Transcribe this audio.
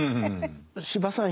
司馬さん